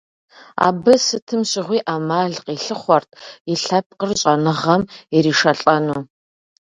Абы сытым щыгъуи Ӏэмал къилъыхъуэрт и лъэпкъыр щӀэныгъэм иришэлӀэну.